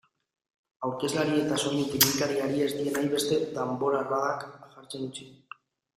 Aurkezleari eta soinu-teknikariari ez die nahi beste danbor-arradak jartzen utzi.